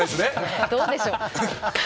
どうでしょう？